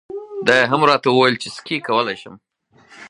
دا یې هم راته وویل چې سکی کولای شم.